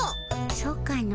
そうかの。